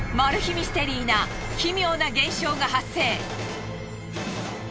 ミステリーな奇妙な現象が発生。